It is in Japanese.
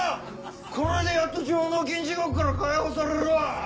これでやっと上納金地獄から解放されるわ！